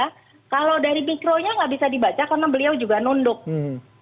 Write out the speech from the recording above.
kalau dari mikronya tidak bisa dibaca karena beliau juga nunduk gitu